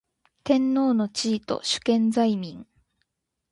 天皇の地位と主権在民